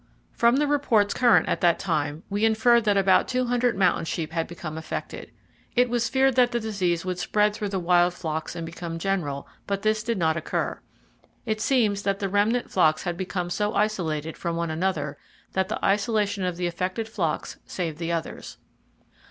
From the reports current at that time, we inferred that about 200 mountain sheep had been affected. It was feared that the disease would spread through the wild flocks and become general, but this did not occur. It seems that the remnant flocks had become so isolated from one another that the isolation of the affected flocks saved the others.